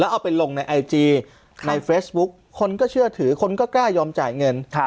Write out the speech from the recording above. เอาไปลงในไอจีในเฟซบุ๊คคนก็เชื่อถือคนก็กล้ายอมจ่ายเงิน